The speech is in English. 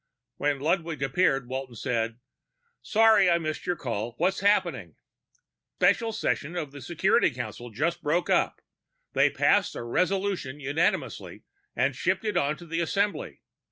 When Ludwig appeared, Walton said, "Sorry I missed your call. What's happening?" "Special session of the Security Council just broke up. They passed a resolution unanimously and shipped it on to the Assembly.